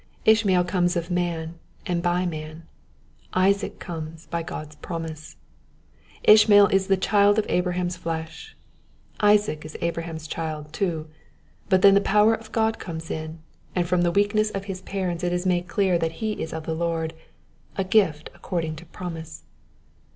Ishmael comes of man, and by man. Isaac comes by God's promise, Ishmael is the child of Abraham's flesh. Isaac is Abraham's child, too ; but then the power of God comes in, and from the weakness of his parents it is made clear that he is The Two Seeds. 13 of the Lord, — a gift according to promise.